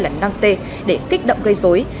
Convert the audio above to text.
hay nantes để kích động gây dối